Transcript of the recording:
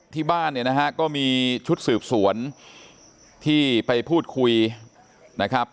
ที่บ้านเนี่ยนะฮะก็มีชุดสืบสวนที่ไปพูดคุยนะครับ